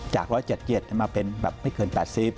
จาก๑๗๗มาเป็นไม่เกิน๘๐